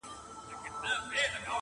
د یارانو مو یو یو دادی کمېږي,